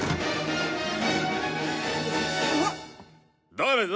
誰だ？